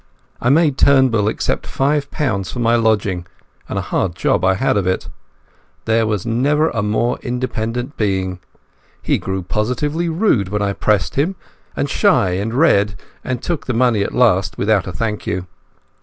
I made Turnbull accept five pounds for my lodging, and a hard job I had of it. There never was a more independent being. He grew positively rude when I pressed him, and shy and red, and took the money at last without a thank you.